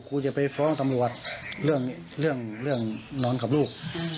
ครูจะไปฟ้องตำรวจเรื่องนอนกับลูก